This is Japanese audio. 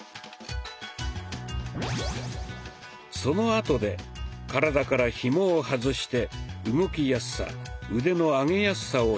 そのあとで体からひもを外して動きやすさ腕の上げやすさを比較します。